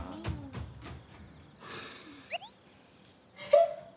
えっ！？